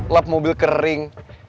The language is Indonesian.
lap mobil kering